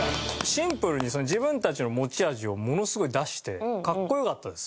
シンプルに自分たちの持ち味をものすごい出して格好良かったです。